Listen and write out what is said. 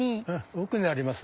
奥にあります